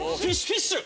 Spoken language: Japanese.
フィッシュ！